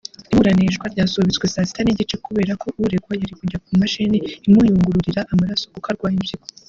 Iburanishwa ryasubitswe saa sita n’igice kubera ko uregwa yari kujya ku mashini imuyungururira amaraso kuko arwaye impyiko